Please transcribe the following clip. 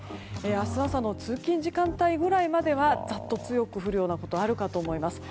明日朝の通勤時間帯ぐらいまではざっと強く降るようなことがあると思います。